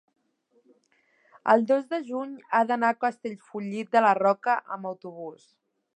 el dos de juny he d'anar a Castellfollit de la Roca amb autobús.